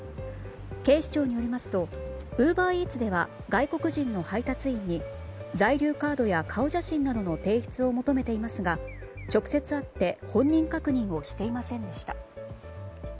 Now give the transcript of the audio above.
警視庁によりますとウーバーイーツでは外国人の配達員に在留カードや顔写真の提出などを求めていますが直接会って本人確認をしていませんでした。